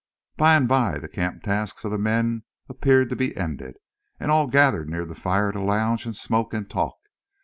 By and by the camp tasks of the men appeared to be ended, and all gathered near the fire to lounge and smoke and talk.